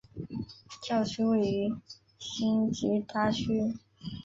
教区位于辛吉达区。